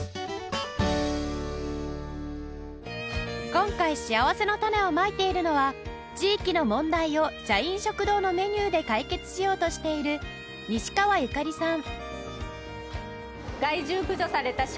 今回しあわせのたねをまいているのは地域の問題を社員食堂のメニューで解決しようとしている西川由香里さん